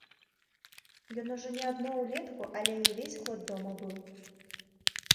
Ён ужо не адно ўлетку, але і ўвесь год дома быў.